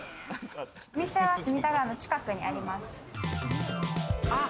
お店が隅田川の近くにあります。